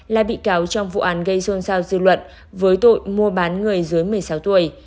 là bị cáo trong vụ án gây xôn xao dư luận với tội mua bán người dưới một mươi sáu tuổi